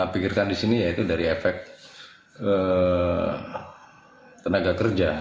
pikirkan di sini ya itu dari efek tenaga kerja